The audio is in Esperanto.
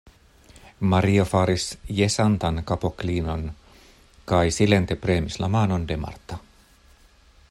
Mario faris jesantan kapoklinon kaj silente premis la manon de Marta.